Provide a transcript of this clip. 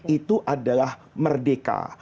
itu adalah merdeka